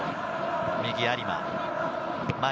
右に有馬。